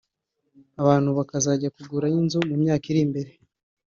abantu bakazajya kugurayo inzu mu myaka iri imbere